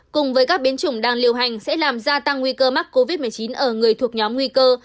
cùng với các biến chủng đang liều hành sẽ làm gia tăng nguy cơ mắc covid một mươi chín ở người thuộc nhóm nguy cơ